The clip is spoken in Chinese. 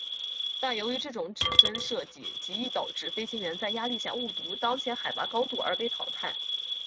但是由于这种指针设计极易导致飞行员在压力下误读当前海拔高度而被淘汰。